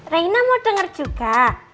reina mau dengar juga